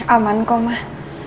aman kok mah